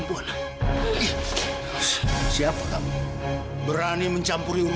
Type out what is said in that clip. biarkan waktu aida dulu